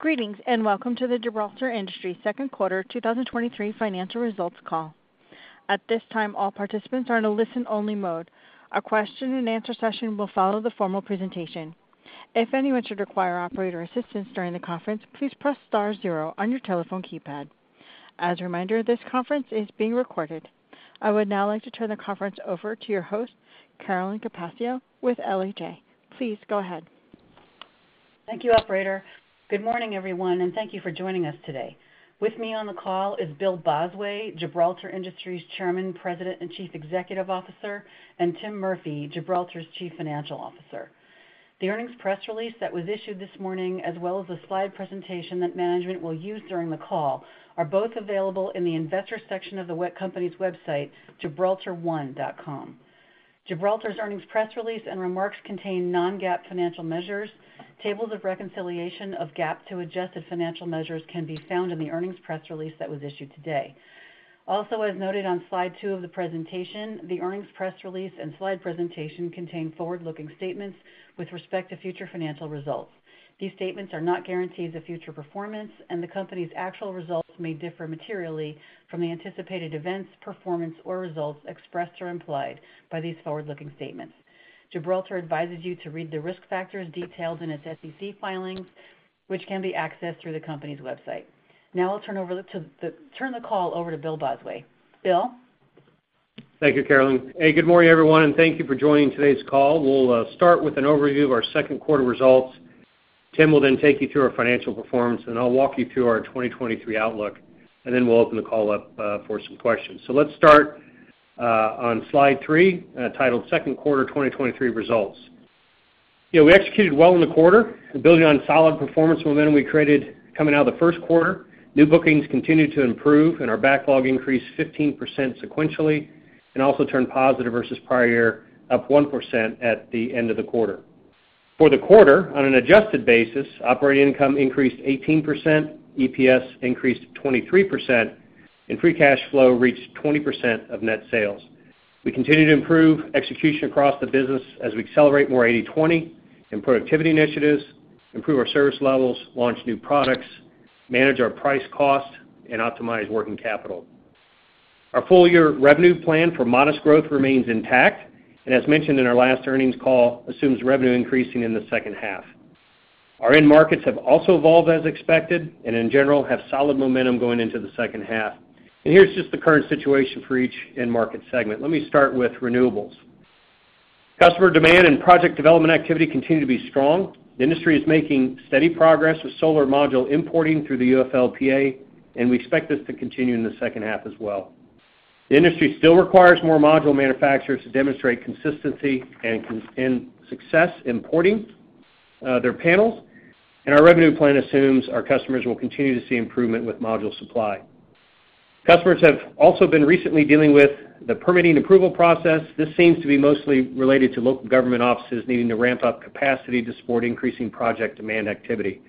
Greetings and welcome to the Gibraltar Industries Second Quarter 2023 Financial Results call. At this time, all participants are in a listen-only mode. A question-and-answer session will follow the formal presentation. If anyone should require operator assistance during the conference, please press star zero on your telephone keypad. As a reminder, this conference is being recorded. I would now like to turn the conference over to your host, Carolyn Capaccio, with LHA. Please go ahead. Thank you, operator. Good morning, everyone, thank you for joining us today. With me on the call is Bill Bosway, Gibraltar Industries Chairman, President and Chief Executive Officer, and Timothy Murphy, Gibraltar's Chief Financial Officer. The earnings press release that was issued this morning, as well as the slide presentation that management will use during the call, are both available in the Investor section of the company's website, gibraltar1.com. Gibraltar's earnings press release and remarks contain non-GAAP financial measures. Tables of reconciliation of GAAP to adjusted financial measures can be found in the earnings press release that was issued today. As noted on Slide two of the presentation, the earnings press release and slide presentation contain forward-looking statements with respect to future financial results. These statements are not guarantees of future performance, and the company's actual results may differ materially from the anticipated events, performance, or results expressed or implied by these forward-looking statements. Gibraltar advises you to read the risk factors detailed in its SEC filings, which can be accessed through the company's website. Now I'll turn the call over to Bill Bosway. Bill? Thank you, Carolyn. Hey, good morning, everyone, and thank you for joining today's call. We'll start with an overview of our 2Q results. Tim will then take you through our financial performance, I'll walk you through our 2023 outlook, Then we'll open the call up for some questions. Let's start on Slide three titled 2Q 2023 Results. We executed well in the quarter, building on solid performance momentum we created coming out of the 1Q. New bookings continued to improve, and our backlog increased 15% sequentially and also turned positive versus prior year, up 1% at the end of the quarter. For the quarter, on an adjusted basis, operating income increased 18%, EPS increased 23%, and free cash flow reached 20% of net sales. We continue to improve execution across the business as we accelerate more 80/20 in productivity initiatives, improve our service levels, launch new products, manage our price-cost, and optimize working capital. Our full-year revenue plan for modest growth remains intact and, as mentioned in our last earnings call, assumes revenue increasing in the second half. Our end markets have also evolved as expected and, in general, have solid momentum going into the second half. Here's just the current situation for each end market segment. Let me start with renewables. Customer demand and project development activity continue to be strong. The industry is making steady progress with solar module importing through the UFLPA, and we expect this to continue in the second half as well. The industry still requires more module manufacturers to demonstrate consistency and success importing their panels. Our revenue plan assumes our customers will continue to see improvement with module supply. Customers have also been recently dealing with the permitting approval process. This seems to be mostly related to local government offices needing to ramp up capacity to support increasing project demand activity.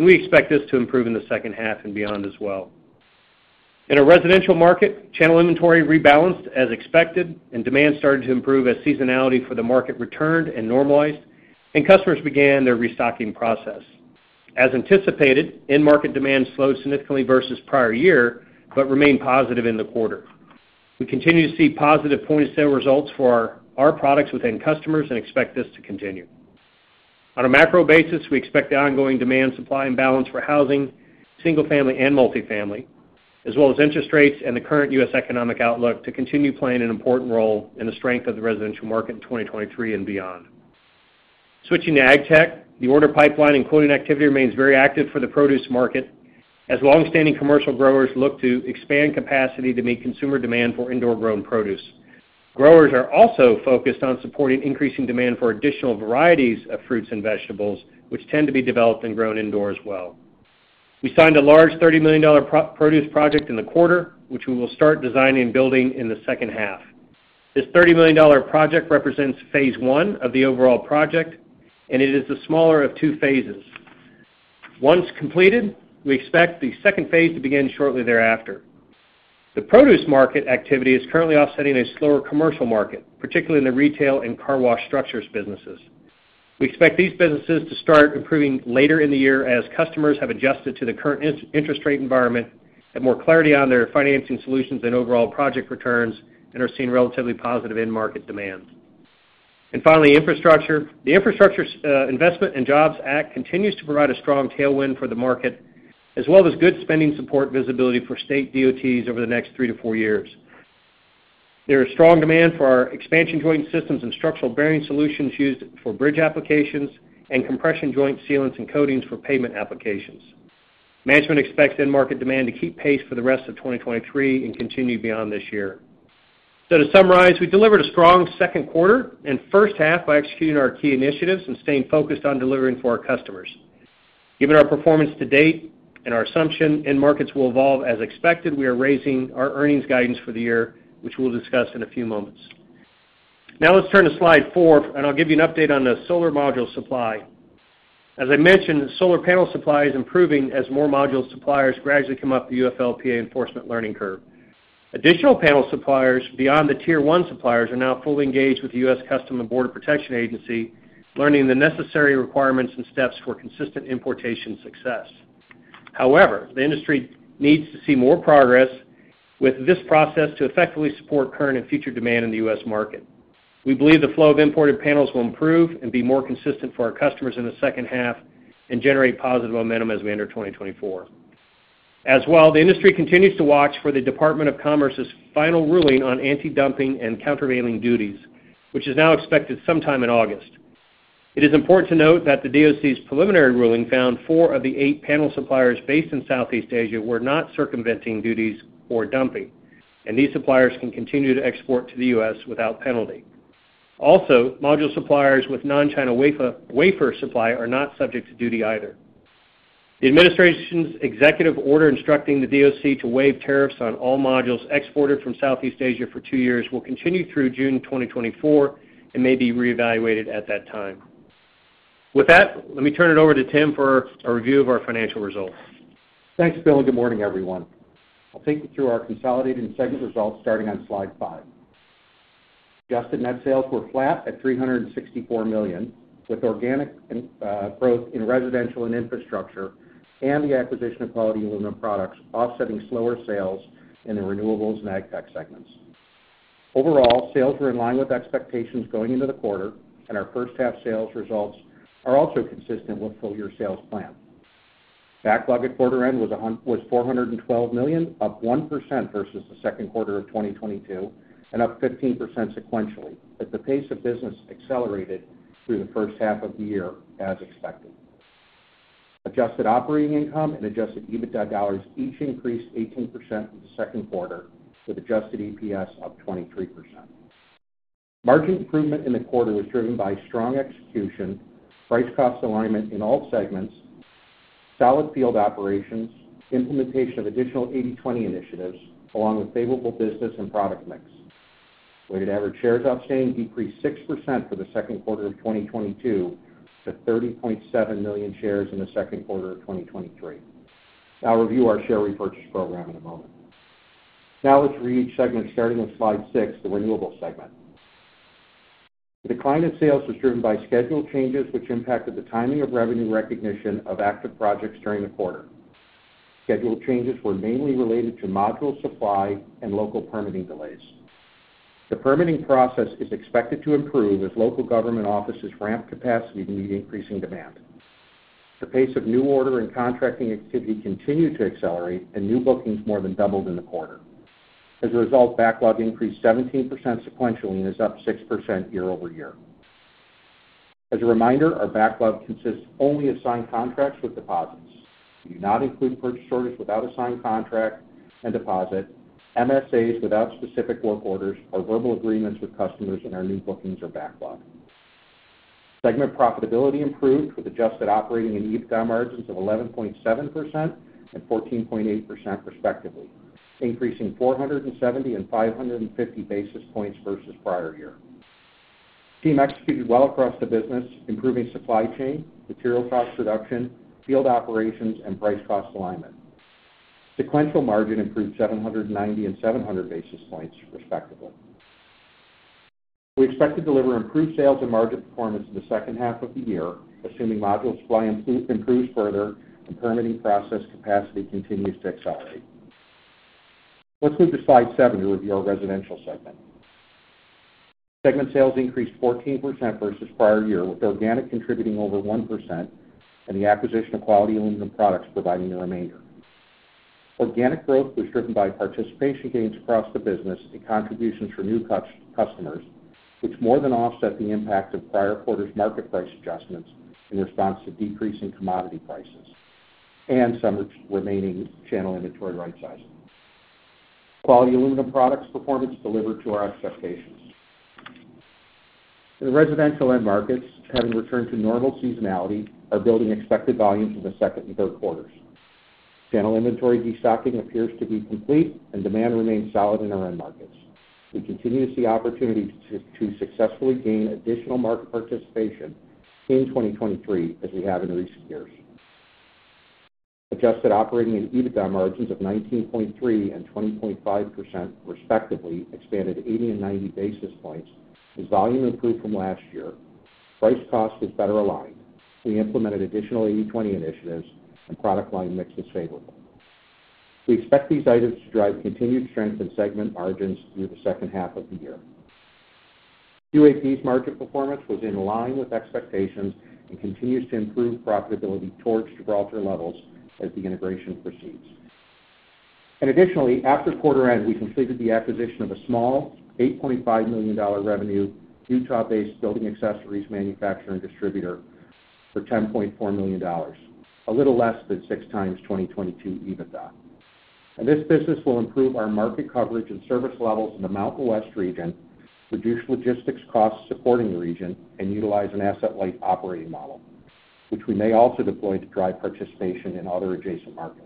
We expect this to improve in the second half and beyond as well. In our residential market, channel inventory rebalanced as expected. Demand started to improve as seasonality for the market returned and normalized. Customers began their restocking process. As anticipated, end market demand slowed significantly versus prior year but remained positive in the quarter. We continue to see positive point-of-sale results for our products with end customers and expect this to continue. On a macro basis, we expect the ongoing demand-supply imbalance for housing, single-family, and multifamily, as well as interest rates and the current U.S. economic outlook, to continue playing an important role in the strength of the residential market in 2023 and beyond. Switching to ag tech, the order pipeline and quoting activity remains very active for the produce market as longstanding commercial growers look to expand capacity to meet consumer demand for indoor-grown produce. Growers are also focused on supporting increasing demand for additional varieties of fruits and vegetables, which tend to be developed and grown indoor as well. We signed a large $30 million produce project in the quarter, which we will start designing and building in the second half. This $30 million project represents Phase I of the overall project, and it is the smaller of two phases. Once completed, we expect the second phase to begin shortly thereafter. The produce market activity is currently offsetting a slower commercial market, particularly in the retail and car wash structures businesses. We expect these businesses to start improving later in the year as customers have adjusted to the current interest rate environment, have more clarity on their financing solutions and overall project returns, and are seeing relatively positive end market demand. Finally, infrastructure. The Infrastructure Investment and Jobs Act continues to provide a strong tailwind for the market, as well as good spending support visibility for state DOTs over the next 3-4 years. There is strong demand for our expansion joint systems and structural bearing solutions used for bridge applications and compression joint sealants and coatings for pavement applications. Management expects end market demand to keep pace for the rest of 2023 and continue beyond this year. To summarize, we delivered a strong second quarter and first half by executing our key initiatives and staying focused on delivering for our customers. Given our performance to date and our assumption end markets will evolve as expected, we are raising our earnings guidance for the year, which we'll discuss in a few moments. Let's turn to Slide four, and I'll give you an update on the solar module supply. As I mentioned, solar panel supply is improving as more module suppliers gradually come up the UFLPA enforcement learning curve. Additional panel suppliers beyond the Tier 1 suppliers are now fully engaged with the U.S. Customs and Border Protection Agency, learning the necessary requirements and steps for consistent importation success. However, the industry needs to see more progress with this process to effectively support current and future demand in the U.S. market. We believe the flow of imported panels will improve and be more consistent for our customers in the second half and generate positive momentum as we enter 2024. As well, the industry continues to watch for the Department of Commerce's final ruling on anti-dumping and countervailing duties, which is now expected sometime in August. It is important to note that the DOC's preliminary ruling found four of the eight panel suppliers based in Southeast Asia were not circumventing duties or dumping, and these suppliers can continue to export to the U.S. without penalty. Also, module suppliers with non-China wafer supply are not subject to duty either. The administration's executive order instructing the DOC to waive tariffs on all modules exported from Southeast Asia for two years will continue through June 2024 and may be reevaluated at that time. With that, let me turn it over to Tim for a review of our financial results. Thanks, Bill. Good morning, everyone. I'll take you through our consolidated segment results starting on Slide five. Adjusted net sales were flat at $364 million, with organic growth in residential and infrastructure and the acquisition of Quality Aluminum Products offsetting slower sales in the renewables and ag tech segments. Overall, sales were in line with expectations going into the quarter, and our first half sales results are also consistent with full-year sales plan. Backlog at quarter end was $412 million, up 1% versus the second quarter of 2022 and up 15% sequentially, at the pace of business accelerated through the first half of the year as expected. Adjusted operating income and adjusted EBITDA dollars each increased 18% in the second quarter, with adjusted EPS up 23%. Margin improvement in the quarter was driven by strong execution, price-cost alignment in all segments, solid field operations, implementation of additional 80/20 initiatives, along with favorable business and product mix. Weighted average shares outstanding decreased 6% for the second quarter of 2022 to 30.7 million shares in the second quarter of 2023. I'll review our share repurchase program in a moment. Now let's read each segment starting on Slide six, the renewable segment. The decline in sales was driven by schedule changes, which impacted the timing of revenue recognition of active projects during the quarter. Schedule changes were mainly related to module supply and local permitting delays. The permitting process is expected to improve as local government offices ramp capacity to meet increasing demand. The pace of new order and contracting activity continued to accelerate, and new bookings more than doubled in the quarter. As a result, backlog increased 17% sequentially and is up 6% year-over-year. As a reminder, our backlog consists only of signed contracts with deposits. We do not include purchase orders without a signed contract and deposit, MSAs without specific work orders, or verbal agreements with customers in our new bookings or backlog. Segment profitability improved with adjusted operating and EBITDA margins of 11.7% and 14.8% respectively, increasing 470 and 550 basis points versus prior year. Team executed well across the business, improving supply chain, material cost reduction, field operations, and price-cost alignment. Sequential margin improved 790 and 700 basis points respectively. We expect to deliver improved sales and margin performance in the second half of the year, assuming module supply improves further and permitting process capacity continues to accelerate. Let's move to Slide seven to review our residential segment. Segment sales increased 14% versus prior year, with organic contributing over 1% and the acquisition of Quality Aluminum Products providing the remainder. Organic growth was driven by participation gains across the business and contributions for new customers, which more than offset the impact of prior quarter's market price adjustments in response to decreasing commodity prices and some remaining channel inventory right-sizing. Quality Aluminum Products performance delivered to our expectations. In the residential end markets, having returned to normal seasonality, our building expected volumes in the second and third quarters. Channel inventory destocking appears to be complete, and demand remains solid in our end markets. We continue to see opportunity to successfully gain additional market participation in 2023 as we have in recent years. Adjusted operating and EBITDA margins of 19.3% and 20.5% respectively, expanded 80 and 90 basis points, as volume improved from last year. Price-cost was better aligned. We implemented additional 80/20 initiatives, and product line mix is favorable. We expect these items to drive continued strength in segment margins through the second half of the year. QAP's market performance was in line with expectations and continues to improve profitability towards Gibraltar levels as the integration proceeds. Additionally, after quarter end, we completed the acquisition of a small $8.5 million revenue Utah-based building accessories manufacturer and distributor for $10.4 million, a little less than 6 times 2022 EBITDA. This business will improve our market coverage and service levels in the Mountain West region, reduce logistics costs supporting the region, and utilize an asset-light operating model, which we may also deploy to drive participation in other adjacent markets.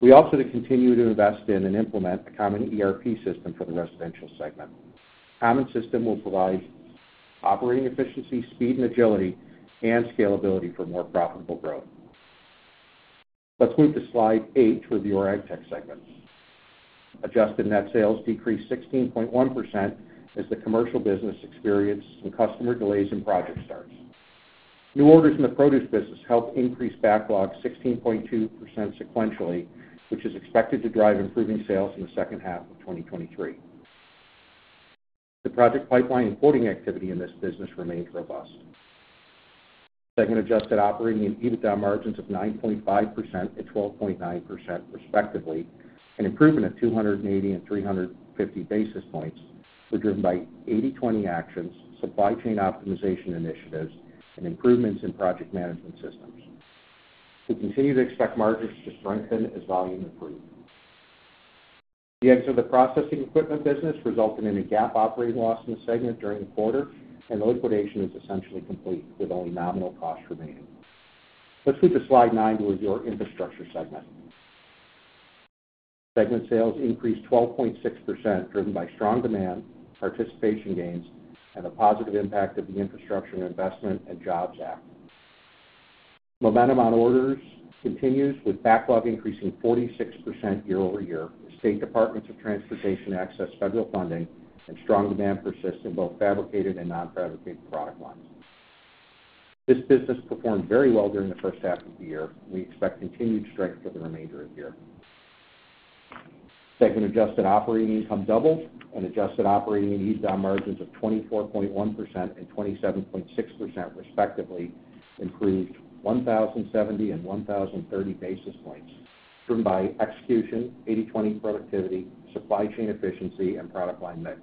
We also continue to invest in and implement a common ERP system for the residential segment. Common system will provide operating efficiency, speed and agility, and scalability for more profitable growth. Let's move to Slide eight to review our ag tech segment. Adjusted net sales decreased 16.1% as the commercial business experienced some customer delays in project starts. New orders in the produce business helped increase backlog 16.2% sequentially, which is expected to drive improving sales in the second half of 2023. The project pipeline importing activity in this business remained robust. Segment adjusted operating and EBITDA margins of 9.5% and 12.9% respectively, an improvement of 280 and 350 basis points, were driven by 80/20 actions, supply chain optimization initiatives, and improvements in project management systems. We continue to expect margins to strengthen as volume improves. The exit of the processing equipment business resulted in a GAAP operating loss in the segment during the quarter, and the liquidation is essentially complete, with only nominal costs remaining. Let's move to Slide nine to review our infrastructure segment. Segment sales increased 12.6%, driven by strong demand, participation gains, and the positive impact of the Infrastructure Investment and Jobs Act. Momentum on orders continues, with backlog increasing 46% year-over-year. State Departments of Transportation access federal funding, and strong demand persists in both fabricated and non-fabricated product lines. This business performed very well during the first half of the year, and we expect continued strength for the remainder of the year. Segment adjusted operating income doubled, and adjusted operating and EBITDA margins of 24.1% and 27.6% respectively improved 1,070 and 1,030 basis points, driven by execution, 80/20 productivity, supply chain efficiency, and product line mix.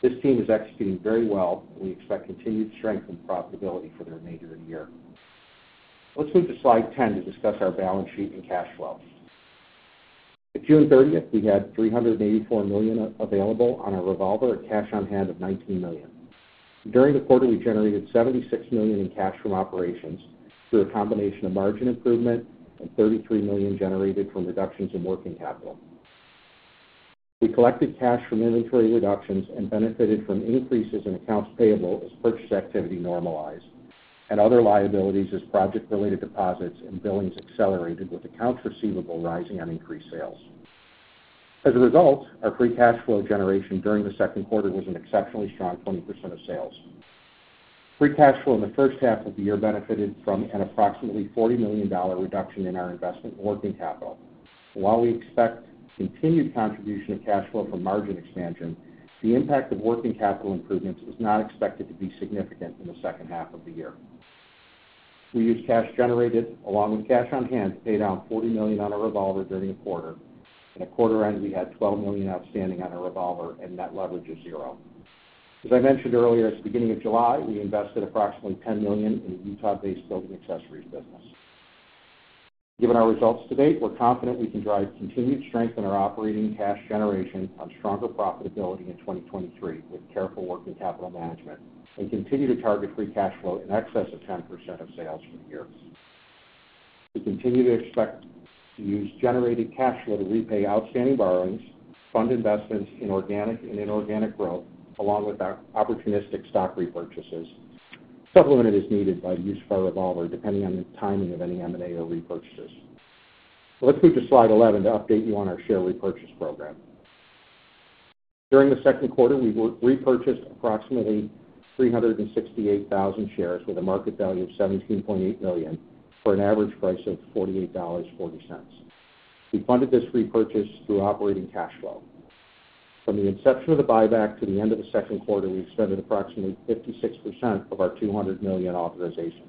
This team is executing very well, and we expect continued strength and profitability for the remainder of the year. Let's move to slide 10 to discuss our balance sheet and cash flows. At June 30th, we had $384 million available on our revolver and cash on hand of $19 million. During the quarter, we generated $76 million in cash from operations through a combination of margin improvement and $33 million generated from reductions in working capital. We collected cash from inventory reductions and benefited from increases in accounts payable as purchase activity normalized, and other liabilities as project-related deposits and billings accelerated, with accounts receivable rising on increased sales. As a result, our free cash flow generation during the second quarter was an exceptionally strong 20% of sales. Free cash flow in the first half of the year benefited from an approximately $40 million reduction in our investment in working capital. While we expect continued contribution of cash flow from margin expansion, the impact of working capital improvements is not expected to be significant in the second half of the year. We used cash generated along with cash on hand to pay down $40 million on our revolver during the quarter. At quarter end, we had $12 million outstanding on our revolver, and net leverage is zero. As I mentioned earlier, at the beginning of July, we invested approximately $10 million in the Utah-based building accessories business. Given our results to date, we're confident we can drive continued strength in our operating cash generation on stronger profitability in 2023 with careful working capital management and continue to target free cash flow in excess of 10% of sales for the year. We continue to expect to use generated cash flow to repay outstanding borrowings, fund investments in organic and inorganic growth, along with opportunistic stock repurchases, supplemented as needed by the use of our revolver depending on the timing of any M&A or repurchases. Let's move to Slide 11 to update you on our share repurchase program. During the second quarter, we repurchased approximately 368,000 shares with a market value of $17.8 million for an average price of $48.40. We funded this repurchase through operating cash flow. From the inception of the buyback to the end of the second quarter, we expended approximately 56% of our $200 million authorization.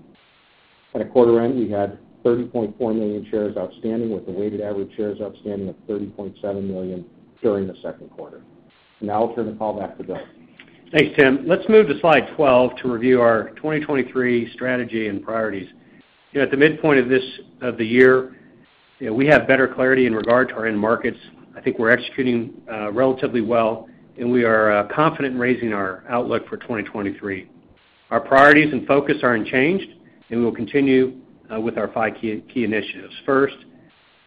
At quarter end, we had 30.4 million shares outstanding with a weighted average shares outstanding of 30.7 million during the second quarter. Now I'll turn the call back to Bill. Thanks, Tim. Let's move to Slide 12 to review our 2023 strategy and priorities. At the midpoint of the year, we have better clarity in regard to our end markets. I think we're executing relatively well, and we are confident in raising our outlook for 2023. Our priorities and focus are unchanged, and we will continue with our five key initiatives. First,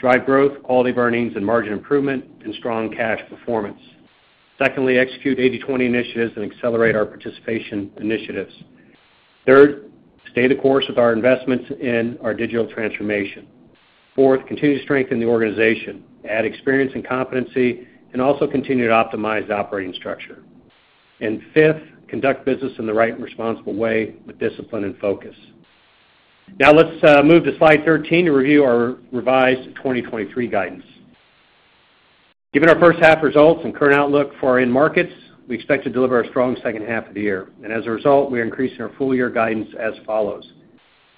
drive growth, quality earnings, and margin improvement and strong cash performance. Secondly, execute 80/20 initiatives and accelerate our participation initiatives. Third, stay the course with our investments in our digital transformation. Fourth, continue to strengthen the organization, add experience and competency, and also continue to optimize the operating structure. Fifth, conduct business in the right and responsible way with discipline and focus. Now let's move to slide 13 to review our revised 2023 guidance. Given our first half results and current outlook for our end markets, we expect to deliver a strong second half of the year. As a result, we are increasing our full-year guidance as follows.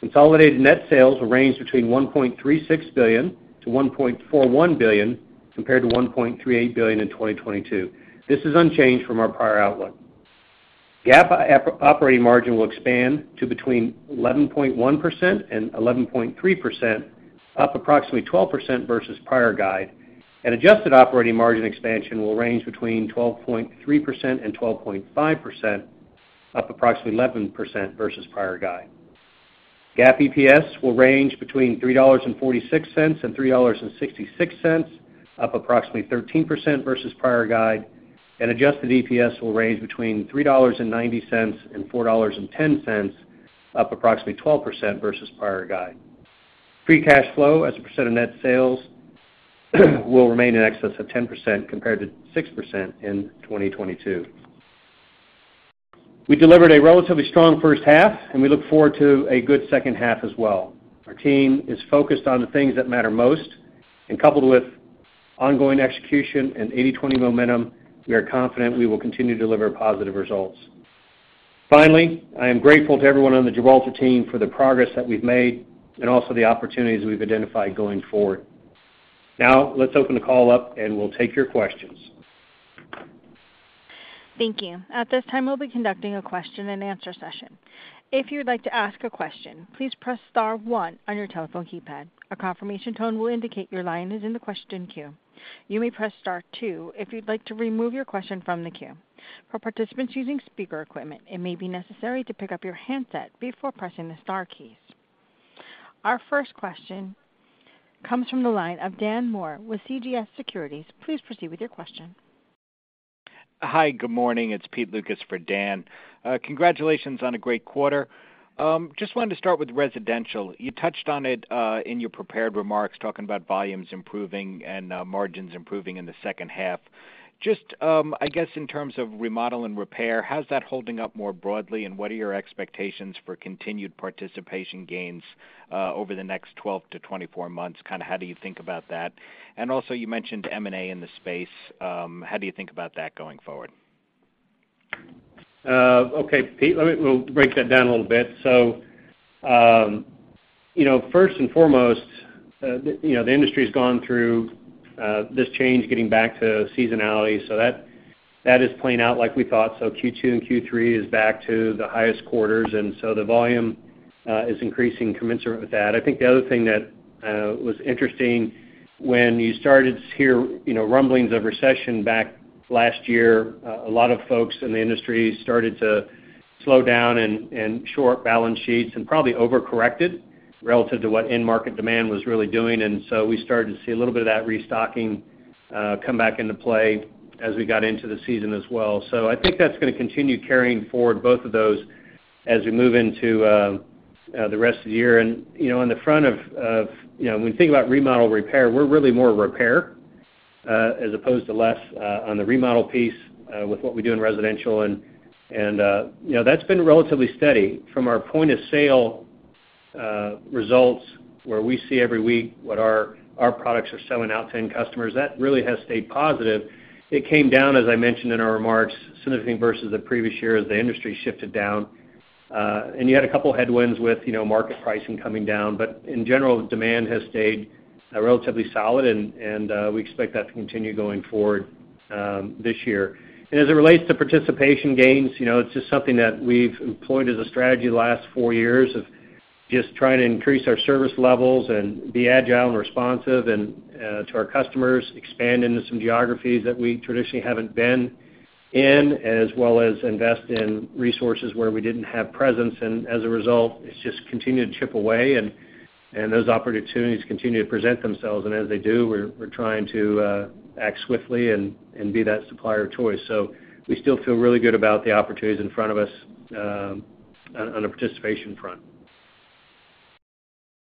Consolidated net sales will range between $1.36 billion and $1.41 billion compared to $1.38 billion in 2022. This is unchanged from our prior outlook. GAAP operating margin will expand to between 11.1% and 11.3%, up approximately 12% versus prior guide. Adjusted operating margin expansion will range between 12.3% and 12.5%, up approximately 11% versus prior guide. GAAP EPS will range between $3.46 and $3.66, up approximately 13% versus prior guide. Adjusted EPS will range between $3.90 and $4.10, up approximately 12% versus prior guide. Free cash flow, as a % of net sales, will remain in excess of 10% compared to 6% in 2022. We delivered a relatively strong first half, and we look forward to a good second half as well. Our team is focused on the things that matter most, and coupled with ongoing execution and 80/20 momentum, we are confident we will continue to deliver positive results. Finally, I am grateful to everyone on the Gibraltar team for the progress that we've made and also the opportunities we've identified going forward. Now let's open the call up, and we'll take your questions. Thank you. At this time, we'll be conducting a question and answer session. If you would like to ask a question, please press star one on your telephone keypad. A confirmation tone will indicate your line is in the question queue. You may press star two if you'd like to remove your question from the queue. For participants using speaker equipment, it may be necessary to pick up your handset before pressing the star keys. Our first question comes from the line of Daniel Moore with CJS Securities. Please proceed with your question. Hi, good morning. It's Pete Lucas for Dan. Congratulations on a great quarter. Just wanted to start with residential. You touched on it in your prepared remarks talking about volumes improving and margins improving in the second half. Just, I guess, in terms of remodel and repair, how's that holding up more broadly, and what are your expectations for continued participation gains over the next 12 to 24 months? Kind of how do you think about that? Also, you mentioned M&A in the space. How do you think about that going forward? Okay, Pete. We'll break that down a little bit. First and foremost, the industry has gone through this change getting back to seasonality. That is playing out like we thought. Q2 and Q3 is back to the highest quarters, and the volume is increasing commensurate with that. I think the other thing that was interesting when you started to hear rumblings of recession back last year, a lot of folks in the industry started to slow down and short balance sheets and probably overcorrected relative to what end market demand was really doing. We started to see a little bit of that restocking come back into play as we got into the season as well. I think that's going to continue carrying forward both of those as we move into the rest of the year. On the front of when we think about remodel repair, we're really more repair as opposed to less on the remodel piece with what we do in residential. That's been relatively steady. From our point of sale results, where we see every week what our products are selling out to end customers, that really has stayed positive. It came down, as I mentioned in our remarks, significantly versus the previous year as the industry shifted down. You had a couple of headwinds with market pricing coming down, but in general, demand has stayed relatively solid, and we expect that to continue going forward this year. As it relates to participation gains, it's just something that we've employed as a strategy the last four years of just trying to increase our service levels and be agile and responsive to our customers, expand into some geographies that we traditionally haven't been in, as well as invest in resources where we didn't have presence. As a result, it's just continued to chip away, and those opportunities continue to present themselves. As they do, we're trying to act swiftly and be that supplier of choice. We still feel really good about the opportunities in front of us on the participation front.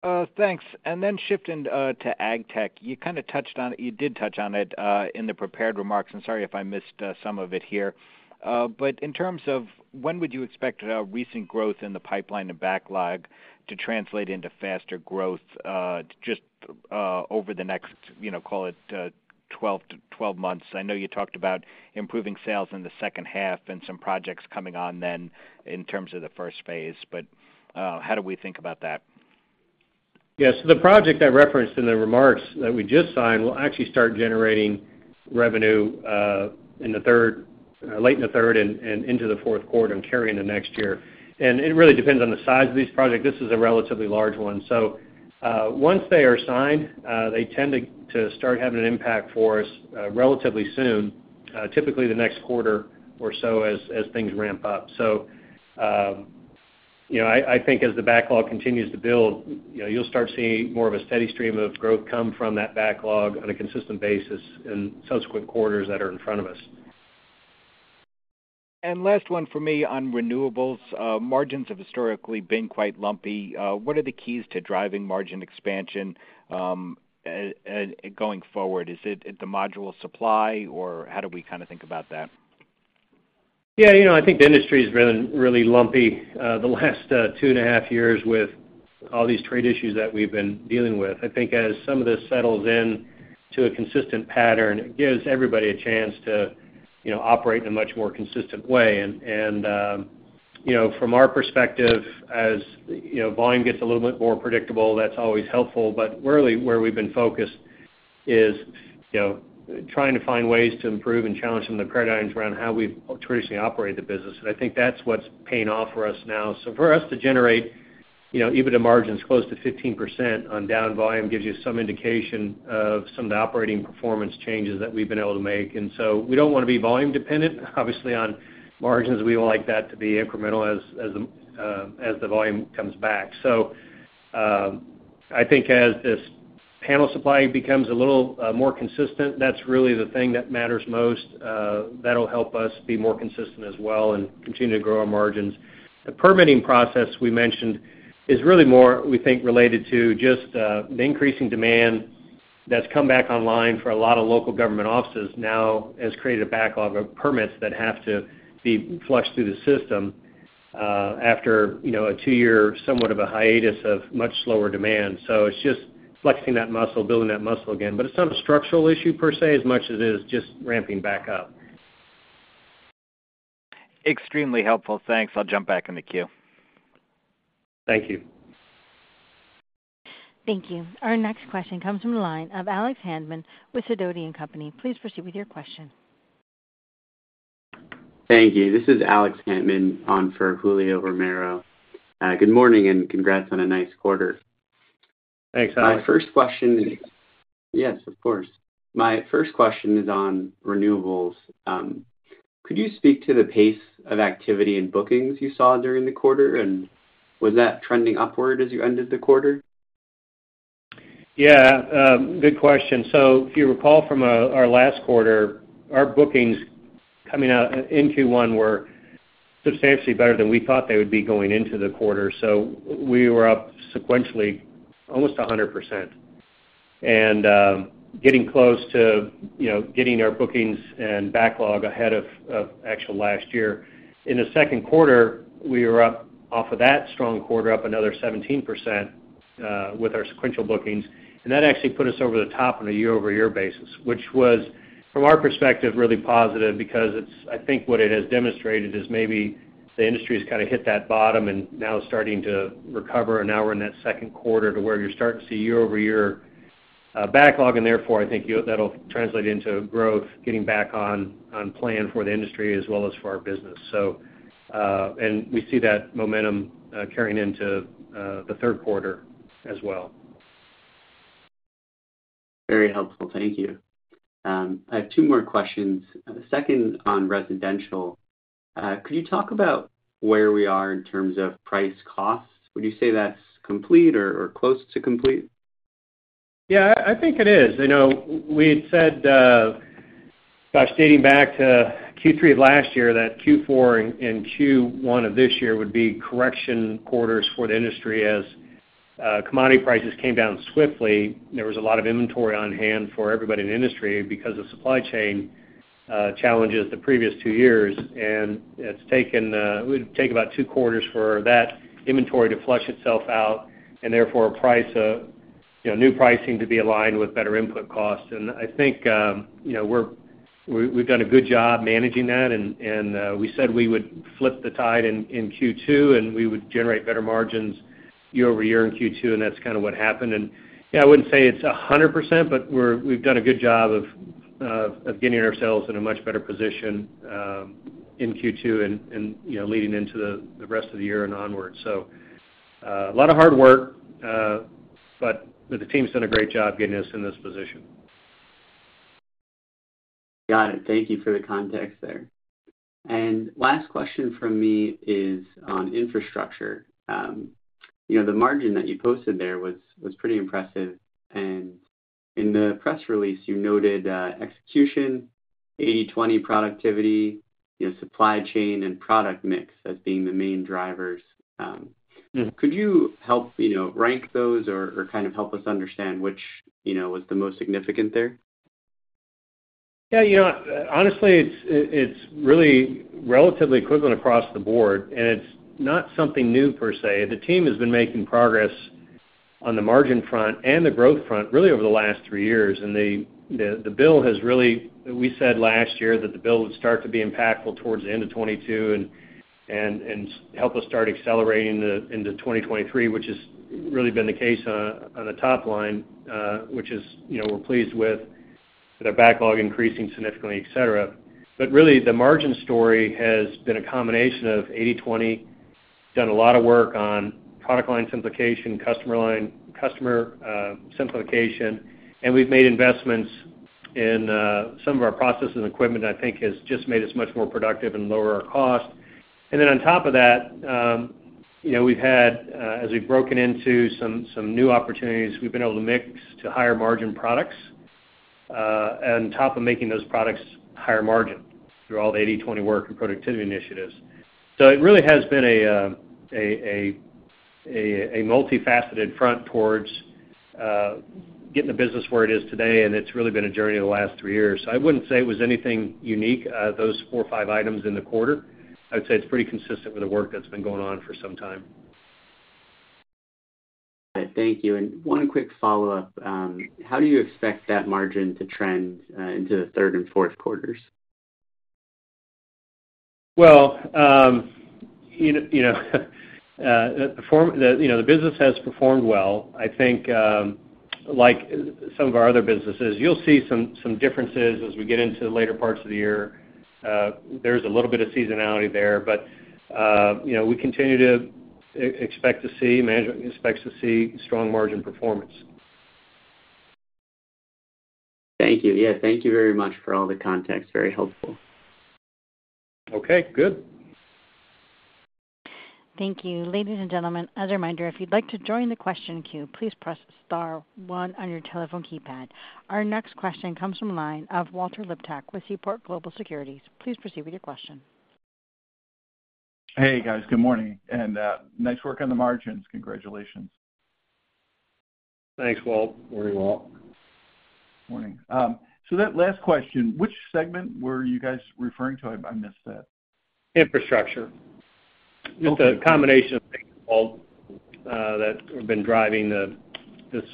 Thanks. Then shifting to ag tech, you kind of touched on it. You did touch on it in the prepared remarks. I'm sorry if I missed some of it here. In terms of when would you expect recent growth in the pipeline and backlog to translate into faster growth just over the next, call it, 12 months? I know you talked about improving sales in the second half and some projects coming on then in terms of the first phase. How do we think about that? Yeah. The project I referenced in the remarks that we just signed will actually start generating revenue in the third late in the third and into the fourth quarter and carry into next year. It really depends on the size of these projects. This is a relatively large one. Once they are signed, they tend to start having an impact for us relatively soon, typically the next quarter or so as things ramp up. I think as the backlog continues to build, you'll start seeing more of a steady stream of growth come from that backlog on a consistent basis in subsequent quarters that are in front of us. Last one for me on renewables. Margins have historically been quite lumpy. What are the keys to driving margin expansion going forward? Is it the module supply, or how do we kind of think about that? Yeah. I think the industry is really lumpy the last 2.5 years with all these trade issues that we've been dealing with. I think as some of this settles in to a consistent pattern, it gives everybody a chance to operate in a much more consistent way. From our perspective, as volume gets a little bit more predictable, that's always helpful. Really, where we've been focused is trying to find ways to improve and challenge some of the paradigms around how we've traditionally operated the business. I think that's what's paying off for us now. For us to generate even a margin as close to 15% on down volume gives you some indication of some of the operating performance changes that we've been able to make. We don't want to be volume dependent. Obviously, on margins, we don't like that to be incremental as the volume comes back. I think as this panel supply becomes a little more consistent, that's really the thing that matters most. That'll help us be more consistent as well and continue to grow our margins. The permitting process we mentioned is really more, we think, related to just the increasing demand that's come back online for a lot of local government offices now has created a backlog of permits that have to be flushed through the system after a 2-year somewhat of a hiatus of much slower demand. It's just flexing that muscle, building that muscle again. It's not a structural issue per se as much as it is just ramping back up. Extremely helpful. Thanks. I'll jump back in the queue. Thank you. Thank you. Our next question comes from the line of Alex Hantman with Sidoti & Company. Please proceed with your question. Thank you. This is Alex Hantman on for Julio Romero. Good morning. Congrats on a nice quarter. Thanks, Alex. My first question is yes, of course. My first question is on renewables. Could you speak to the pace of activity and bookings you saw during the quarter, and was that trending upward as you ended the quarter? Yeah. Good question. If you recall from our last quarter, our bookings coming out in Q1 were substantially better than we thought they would be going into the quarter. We were up sequentially almost 100% and getting close to getting our bookings and backlog ahead of actual last year. In the second quarter, we were up off of that strong quarter up another 17% with our sequential bookings. That actually put us over the top on a year-over-year basis, which was, from our perspective, really positive because it's, I think, what it has demonstrated is maybe the industry has kind of hit that bottom and now is starting to recover. Now we're in that second quarter to where you're starting to see year-over-year backlog. Therefore, I think that'll translate into growth getting back on plan for the industry as well as for our business. We see that momentum carrying into the third quarter as well. Very helpful. Thank you. I have two more questions. The second on residential, could you talk about where we are in terms of price costs? Would you say that's complete or close to complete? Yeah, I think it is. We had said, gosh, dating back to Q3 of last year, that Q4 and Q1 of this year would be correction quarters for the industry as commodity prices came down swiftly. There was a lot of inventory on hand for everybody in the industry because of supply chain challenges the previous two years. It would take about two quarters for that inventory to flush itself out and therefore new pricing to be aligned with better input costs. I think we've done a good job managing that. We said we would flip the tide in Q2, and we would generate better margins year-over-year in Q2. That's kind of what happened. Yeah, I wouldn't say it's 100%, but we've done a good job of getting ourselves in a much better position in Q2 and leading into the rest of the year and onward. A lot of hard work, but the team's done a great job getting us in this position. Got it. Thank you for the context there. Last question from me is on infrastructure. The margin that you posted there was pretty impressive. In the press release, you noted execution, 80/20 productivity, supply chain, and product mix as being the main drivers. Could you help rank those or kind of help us understand which was the most significant there? Yeah. Honestly, it's really relatively equivalent across the board, and it's not something new per se. The team has been making progress on the margin front and the growth front really over the last 3 years. The bill has really we said last year that the bill would start to be impactful towards the end of 2022 and help us start accelerating into 2023, which has really been the case on the top line, which we're pleased with, with our backlog increasing significantly, etc. Really, the margin story has been a combination of 80/20, done a lot of work on product line simplification, customer line customer simplification, and we've made investments in some of our processes and equipment that I think has just made us much more productive and lower our cost. On top of that, we've had as we've broken into some new opportunities, we've been able to mix to higher margin products on top of making those products higher margin through all the 80/20 work and productivity initiatives. It really has been a multifaceted front towards getting the business where it is today. It's really been a journey the last three years. I wouldn't say it was anything unique, those four or five items in the quarter. I would say it's pretty consistent with the work that's been going on for some time. Got it. Thank you. One quick follow-up. How do you expect that margin to trend into the third and fourth quarters? Well, the business has performed well. I think like some of our other businesses, you'll see some differences as we get into the later parts of the year. There's a little bit of seasonality there. We continue to expect to see management expects to see strong margin performance. Thank you. Yeah. Thank you very much for all the context. Very helpful. Okay. Good. Thank you. Ladies and gentlemen, as a reminder, if you'd like to join the question queue, please press star one on your telephone keypad. Our next question comes from the line of Walter Liptak with Seaport Global Securities. Please proceed with your question. Hey, guys. Good morning. Nice work on the margins. Congratulations. Thanks, Walt. Morning, Walt. Morning. That last question, which segment were you guys referring to? I missed that. Infrastructure. Just a combination of things that have been driving this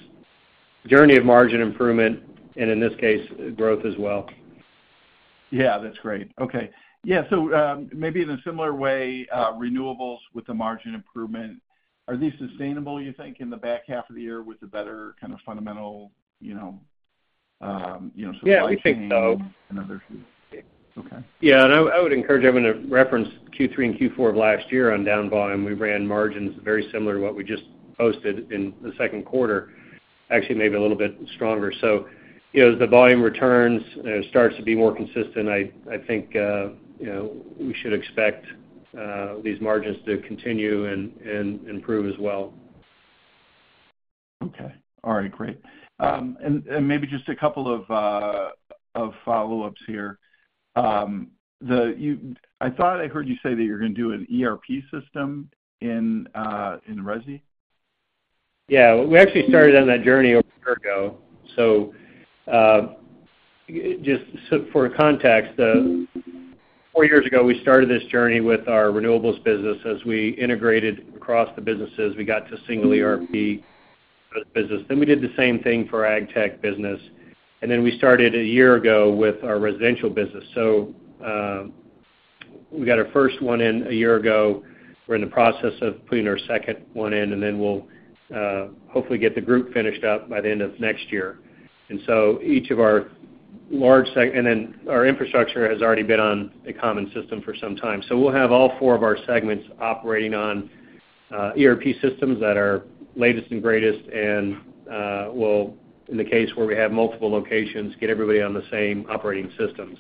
journey of margin improvement and, in this case, growth as well. Yeah. That's great. Okay. Yeah. Maybe in a similar way, renewables with the margin improvement, are these sustainable, you think, in the back half of the year with a better kind of fundamental supply chain and other? Yeah. We think so. Yeah. I would encourage everyone to reference Q3 and Q4 of last year on down volume. We ran margins very similar to what we just posted in the second quarter, actually maybe a little bit stronger. As the volume returns and it starts to be more consistent, I think we should expect these margins to continue and improve as well. Okay. All right. Great. Maybe just a couple of follow-ups here. I thought I heard you say that you're going to do an ERP system in RESI? Yeah. We actually started on that journey a year ago. Just for context, four years ago, we started this journey with our renewables business. As we integrated across the businesses, we got to single ERP business. We did the same thing for our ag tech business. We started a year ago with our residential business. We got our first one in a year ago. We're in the process of putting our second one in, and then we'll hopefully get the group finished up by the end of next year. Each of our large and then our infrastructure has already been on a common system for some time. We'll have all four of our segments operating on ERP systems that are latest and greatest. And in the case where we have multiple locations, get everybody on the same operating system.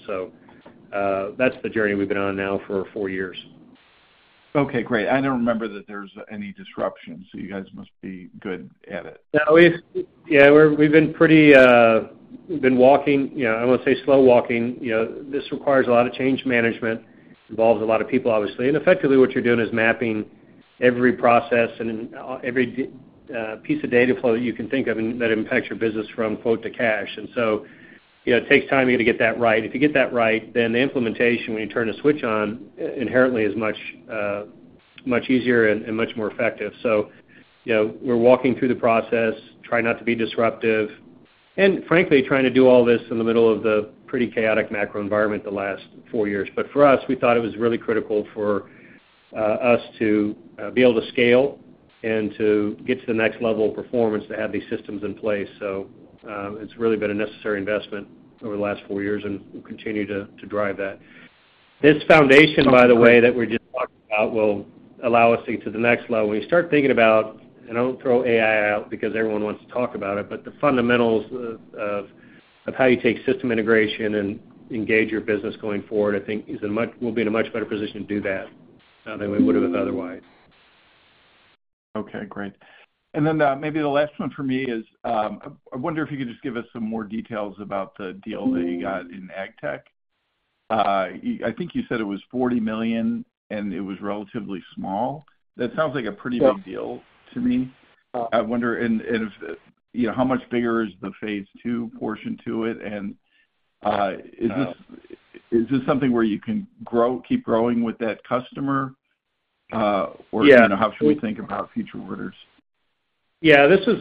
That's the journey we've been on now for 4 years. Okay. Great. I don't remember that there's any disruption. You guys must be good at it. Yeah. We've been pretty we've been walking I want to say slow walking. This requires a lot of change management, involves a lot of people, obviously. Effectively, what you're doing is mapping every process and every piece of data flow that you can think of that impacts your business from quote to cash. It takes time to get that right. If you get that right, the implementation, when you turn the switch on, inherently is much easier and much more effective. We're walking through the process, trying not to be disruptive, and frankly, trying to do all this in the middle of the pretty chaotic macro environment the last four years. For us, we thought it was really critical for us to be able to scale and to get to the next level of performance to have these systems in place. It's really been a necessary investment over the last four years, and we'll continue to drive that. This foundation, by the way, that we're just talking about will allow us to get to the next level. When you start thinking about and I don't throw AI out because everyone wants to talk about it, but the fundamentals of how you take system integration and engage your business going forward, I think we'll be in a much better position to do that than we would have otherwise. Okay. Great. Then maybe the last one for me is I wonder if you could just give us some more details about the deal that you got in ag tech. I think you said it was $40 million, and it was relatively small. That sounds like a pretty big deal to me. I wonder how much bigger is the Phase II portion to it? Is this something where you can keep growing with that customer, or how should we think about future orders? Yeah. This is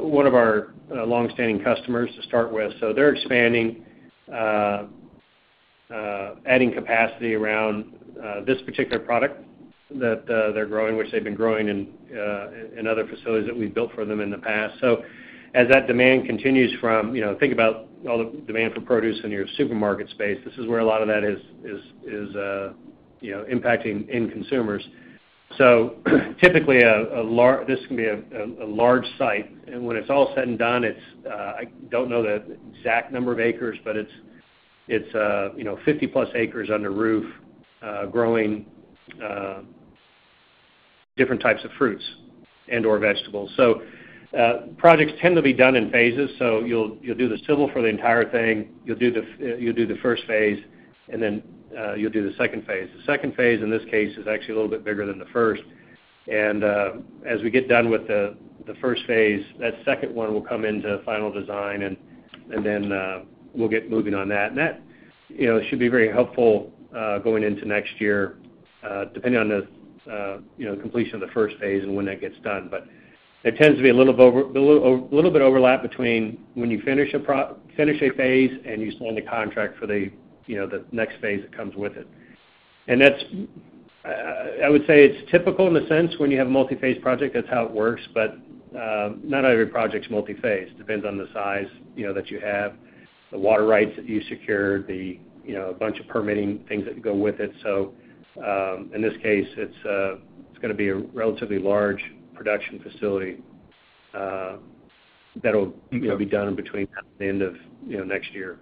one of our longstanding customers to start with. They're expanding, adding capacity around this particular product that they're growing, which they've been growing in other facilities that we've built for them in the past. As that demand continues from think about all the demand for produce in your supermarket space. This is where a lot of that is impacting end consumers. Typically, this can be a large site. When it's all said and done, it's I don't know the exact number of acres, but it's 50-plus acres under roof growing different types of fruits and/or vegetables. Projects tend to be done in phases. You'll do the civil for the entire thing. You'll do the first phase, and then you'll do the second phase. The second phase, in this case, is actually a little bit bigger than the first. As we get done with the first phase, that second one will come into final design, then we'll get moving on that. That should be very helpful going into next year, depending on the completion of the first phase and when that gets done. There tends to be a little bit overlap between when you finish a phase and you sign the contract for the next phase that comes with it. I would say it's typical in the sense when you have a multi-phase project, that's how it works. Not every project's multi-phase. It depends on the size that you have, the water rights that you secure, a bunch of permitting things that go with it. In this case, it's going to be a relatively large production facility that'll be done between the end of next year.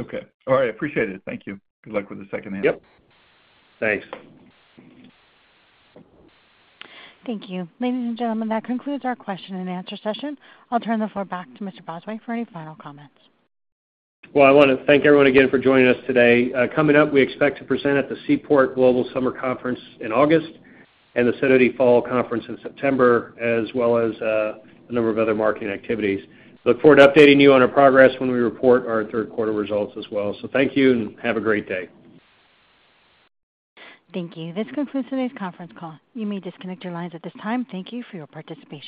Okay. All right. Appreciate it. Thank you. Good luck with the second half. Yep. Thanks. Thank you. Ladies and gentlemen, that concludes our question and answer session. I'll turn the floor back to Mr. Bosway for any final comments. Well, I want to thank everyone again for joining us today. Coming up, we expect to present at the Seaport Global Summer Conference in August and the Citi Fall Conference in September, as well as a number of other marketing activities. Look forward to updating you on our progress when we report our third quarter results as well. Thank you, and have a great day. Thank you. This concludes today's conference call. You may disconnect your lines at this time. Thank you for your participation.